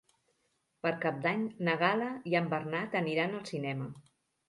Per Cap d'Any na Gal·la i en Bernat aniran al cinema.